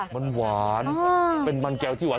มันหวานเป็นมันแก้วที่หวาน